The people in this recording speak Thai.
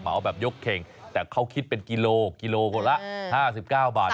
มาเอาแบบยกเข่งแต่เขาคิดเป็นกิโลกิโลกว่าละ๕๙บาทเพราะนั้น